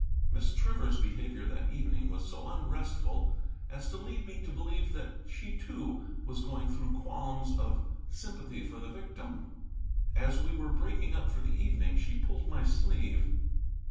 Miss Trevor's behavior that evening was so unrestful as to lead me to believe that she, too, was going through qualms of sympathy for the victim. As we were breaking up for the evening she pulled my sleeve.